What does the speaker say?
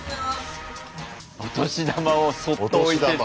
お年玉をそっと置いてった。